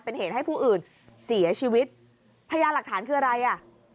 เป็นเหตุให้ผู้อื่นเสียชีวิตพยานหลักฐานคืออะไรอ่ะ